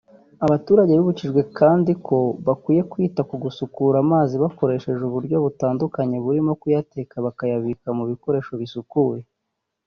Abaturage bibukijwe kandi ko bakwiye kwita ku gusukura amazi bakoresheje uburyo butandukanye burimo kuyateka bakayabika mu bikoresho bisukuye